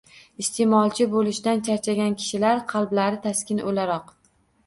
Iste’molchi bo‘lishdan charchagan kishilar qalblariga taskin o‘laroq